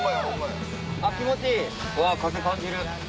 気持ちいいうわ風感じる。